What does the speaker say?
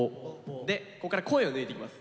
でこっから声を抜いていきます。